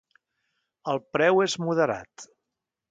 El preu és moderat.